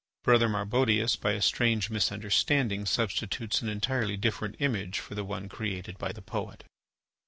Brother Marbodius, by a strange misunderstanding, substitutes an entirely different image for the one created by the poet.